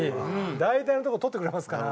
大体のとこ捕ってくれますから。